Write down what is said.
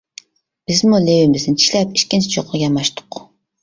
بىزمۇ لېۋىمىزنى چىشلەپ ئىككىنچى چوققىغا ياماشتۇق.